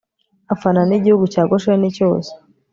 afata n'igihugu cya gosheni cyose